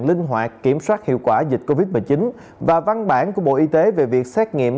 linh hoạt kiểm soát hiệu quả dịch covid một mươi chín và văn bản của bộ y tế về việc xét nghiệm